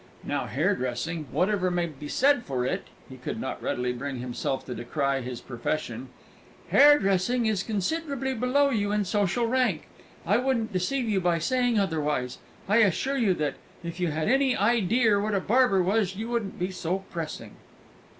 Now, hairdressing, whatever may be said for it" (he could not readily bring himself to decry his profession) "hairdressing is considribly below you in social rank. I wouldn't deceive you by saying otherwise. I assure you that, if you had any ideer what a barber was, you wouldn't be so pressing."